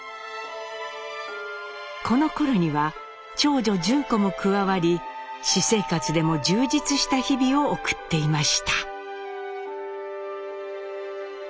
このころには長女・順子も加わり私生活でも充実した日々を送っていました。